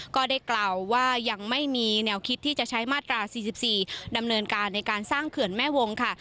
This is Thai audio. ก็ได้กล่าวว่ายังไม่มีแนวคิดที่จะใช้มาตรา๔๔ดำเนินการในการสร้างเขื่อนแม่วงค่ะ